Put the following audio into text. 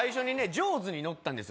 ジョーズに乗ったんですよ